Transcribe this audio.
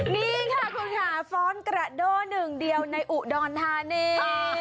นี่ค่ะคุณค่ะฟอนต์กาโด่หนึ่งเดียวในอุ่ดอนทานี